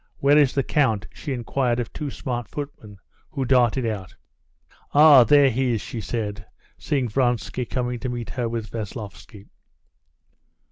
Where is the count?" she inquired of two smart footmen who darted out. "Ah, there he is!" she said, seeing Vronsky coming to meet her with Veslovsky.